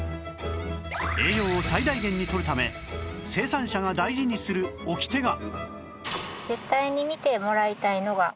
栄養を最大限にとるため生産者が大事にするオキテが